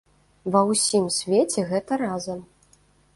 Ва ўсім свеце гэта разам.